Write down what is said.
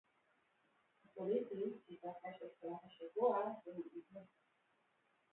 הפוליטי, שהתרחש בתחילת השבוע, והוא אימוץ